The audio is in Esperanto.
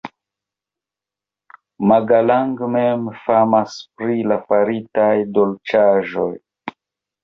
Magalang mem famas pri la faritaj dolĉaĵoj.